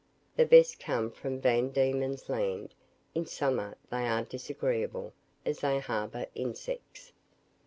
The best come from Van Diemen's Land. In summer they are disagreeable, as they harbour insects.